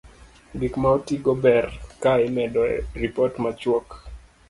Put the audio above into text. Gik ma otigo ber ka imedo e ripot machuok